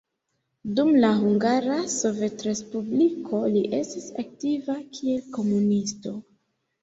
Dum la Hungara Sovetrespubliko li estis aktiva kiel komunisto.